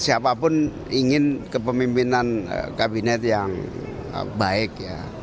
siapapun ingin kepemimpinan kabinet yang baik ya